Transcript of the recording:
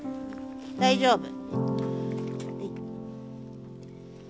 大丈夫？